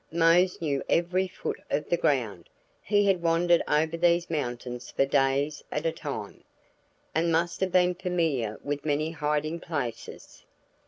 Mose knew every foot of the ground; he had wandered over these mountains for days at a time, and must have been familiar with many hiding places.